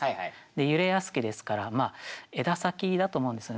「揺れやすき」ですから枝先だと思うんですよね。